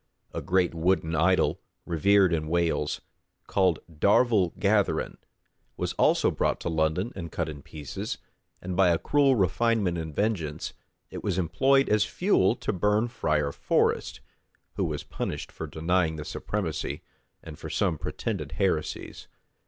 A great wooden idol, revered in Wales, called Darvel Gatherin, was also brought to London, and cut in pieces; and by a cruel refinement in vengeance, it was employed as fuel to burn friar Forest,[] who was punished for denying the supremacy, and for some pretended heresies.